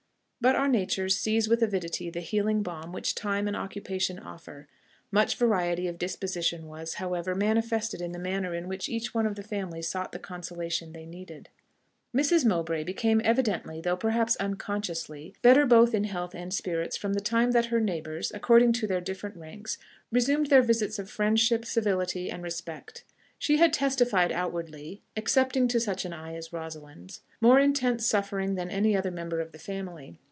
But our natures seize with avidity the healing balm which time and occupation offer: much variety of disposition was, however, manifested in the manner in which each one of the family sought the consolation they needed. Mrs. Mowbray became evidently, though perhaps unconsciously, better both in health and spirits from the time that her neighbours, according to their different ranks, resumed their visits of friendship, civility, and respect. She had testified outwardly, excepting to such an eye as Rosalind's, more intense suffering than any other member of the family.